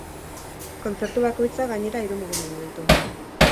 Kontzertu bakoitzak, gainera, hiru mugimendu ditu.